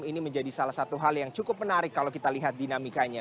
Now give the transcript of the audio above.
ini menjadi salah satu hal yang cukup menarik kalau kita lihat dinamikanya